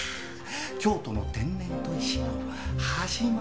京都の天然砥石の始まり始まり。